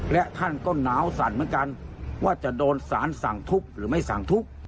และท่านก็หนาวสั่นเหมือนกันว่าจะโดนสารสั่งทุกข์หรือไม่สั่งทุกข์